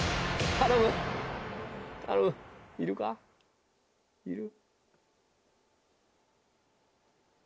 頼むいるかいる。